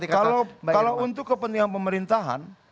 kalau untuk kepentingan pemerintahan